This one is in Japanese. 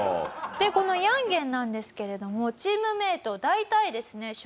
このヤンゲンなんですけれどもチームメート大体ですね